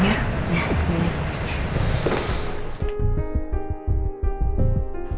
gue jadi penasaran dah